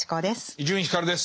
伊集院光です。